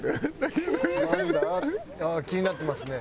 ああ気になってますね。